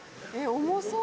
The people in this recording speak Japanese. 重そう。